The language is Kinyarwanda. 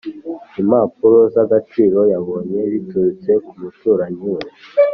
Impapuro z agaciro yabonye biturutse kumuturanyi we